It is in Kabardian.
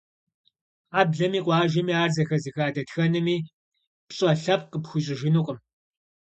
Хьэблэми, къуажэми, ар зэхэзыха дэтхэнэми пщӀэ лъэпкъ къыпхуищӀыжынукъым.